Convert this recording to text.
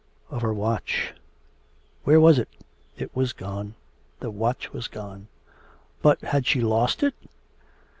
of her watch; where was it? It was gone. The watch was gone.... But, had she lost it?